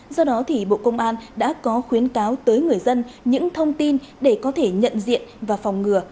do đó bộ công an đã có khuyến cáo tới người dân những thông tin để có thể nhận diện và phòng ngừa